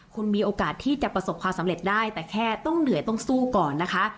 คุณมีโอกาสที่จะประสบความสำเร็จได้แต่แค่ต้องเหนื่อยต้องสู้ก่อนนะคะ